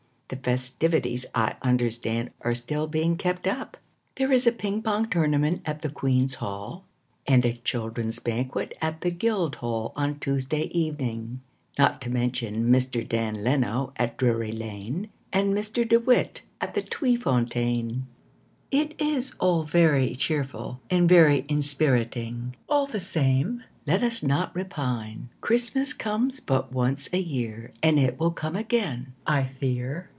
The festivities, I understand, Are still being kept up. There is a ping pong tournament at the Queen's Hall And a children's banquet At the Guildhall on Tuesday evening; Not to mention Mr. Dan Leno at Drury Lane And Mr. De Wet at the Tweefontein. It is all very cheerful And very inspiriting. All the same, Let us not repine: Christmas comes but once a year, And it will come again, I fear.